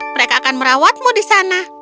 mereka akan merawatmu di sana